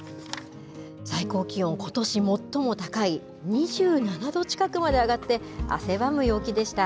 最高気温、ことし最も高い２７度近くまで上がって、汗ばむ陽気でした。